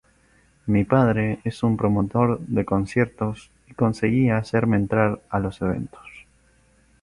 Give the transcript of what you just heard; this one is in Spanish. Mi padre es un promotor de conciertos y conseguía hacerme entrar a los eventos.